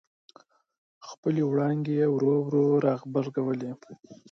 خپلې وړانګې یې ورو ورو را غبرګولې.